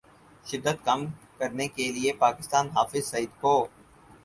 شدت کم کرنے کے لیے پاکستان حافظ سعید کو